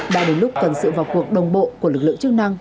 đã đến lúc cần sự vào cuộc đồng bộ của lực lượng chức năng